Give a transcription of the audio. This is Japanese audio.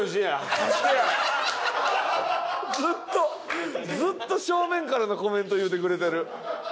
ずっとずっと正面からのコメント言うてくれてる。